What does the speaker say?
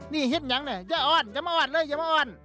เนี่ยเฮ็ดหยังอย่ามาอ้อนเลยอย่ามาอ้อน